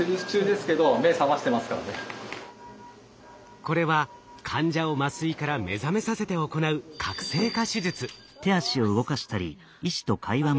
これは患者を麻酔から目覚めさせて行ううわすごいな。